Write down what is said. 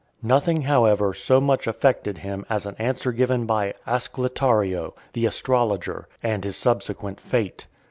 Nothing, however, so much affected him as an answer given by Ascletario, the astrologer, and his subsequent fate.